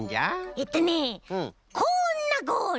えっとねこんなゴール！